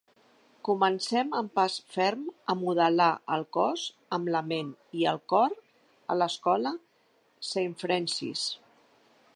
Comencem amb pas ferm a modelar el cos amb la ment i el cor a l'escola Saint Francis.